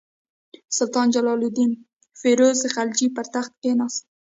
سلطان جلال الدین فیروز خلجي پر تخت کښېناست.